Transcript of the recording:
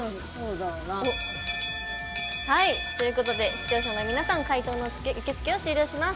視聴者の皆さん解答の受け付けを終了します。